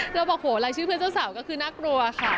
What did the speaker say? เราบอกโหลายชื่อเพื่อนเจ้าสาวก็คือน่ากลัวค่ะ